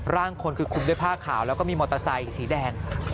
ร่างคนคือคุมด้วยผ้าขาวแล้วก็มีมอเตอร์ไซค์สีแดง